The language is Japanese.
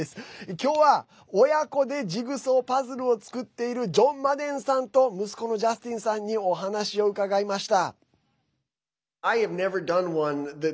今日は親子でジグソーパズルを作っているジョン・マデンさんと息子のジャスティンさんにお話を伺いました。